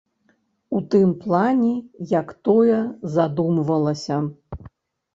У тым плане, як тое задумвалася.